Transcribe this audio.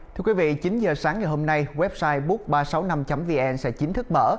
thưa quý vị chín giờ sáng ngày hôm nay website book ba trăm sáu mươi năm vn sẽ chính thức mở